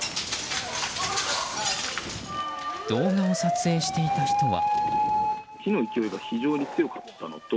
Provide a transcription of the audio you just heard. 動画を撮影していた人は。